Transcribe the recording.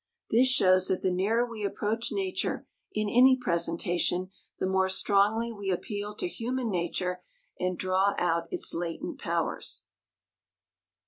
This shows that the nearer we approach nature in any presentation the more strongly we appeal to human nature and draw out its latent powers.